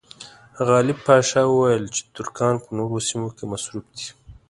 غالب پاشا وویل چې ترکان په نورو سیمو کې مصروف دي.